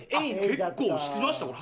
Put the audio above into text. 結構しましたよ。